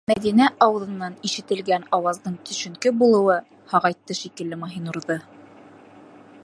Мәҙинә ауыҙынан ишетелгән ауаздың төшөнкө булыуы һағайтты шикелле Маһинурҙы: